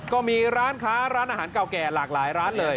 ก็มีร้านค้าร้านอาหารเก่าแก่หลากหลายร้านเลย